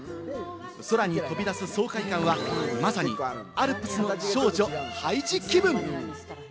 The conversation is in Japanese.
空に飛び出す爽快感は、まさにアルプスの少女ハイジ気分。